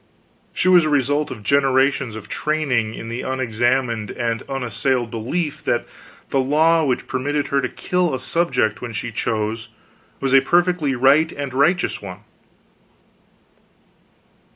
She was a result of generations of training in the unexamined and unassailed belief that the law which permitted her to kill a subject when she chose was a perfectly right and righteous one.